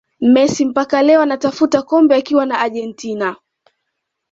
Messi mpaka leo anatafuta kombe akiwa na Argentina